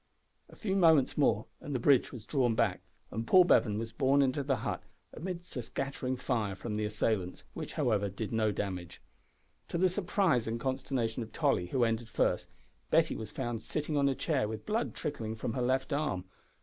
A few moments more and the bridge was drawn back, and Paul Bevan was borne into the hut, amid a scattering fire from the assailants, which, however, did no damage. To the surprise and consternation of Tolly, who entered first, Betty was found sitting on a chair with blood trickling from her left arm.